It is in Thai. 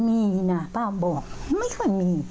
ไม่ค่อยมีนะป้าบอกมันไม่ค่อยมี